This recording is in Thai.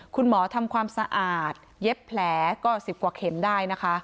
คุณหมอทำความสะอาดเย็บแผลก็๑๐กว่าเข็มได้นะคะ